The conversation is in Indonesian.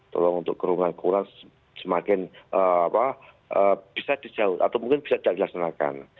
tolong untuk kerungan kerungan semakin bisa dijauh atau mungkin bisa tidak dilaksanakan